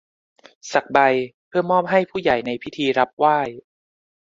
สักใบเพื่อมอบให้ผู้ใหญ่ในพิธีรับไหว้